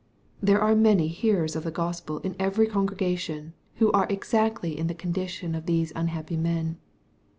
j There are many hearers of the Gospel in every con gregation, who are exactly in the condition of these unhappy men.